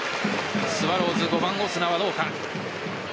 スワローズ５番・オスナはどうか。